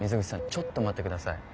ちょっと待って下さい。